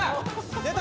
出た！